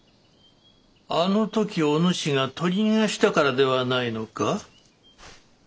あの時お主が取り逃がしたからではないのか？